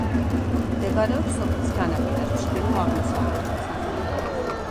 მდებარეობს სოფლის განაპირას, ჩრდილო-აღმოსავლეთით, სასაფლაოზე.